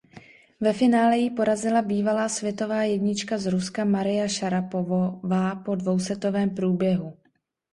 Ve finále ji porazila bývalá světová jednička z Ruska Maria Šarapovová po dvousetovém průběhu.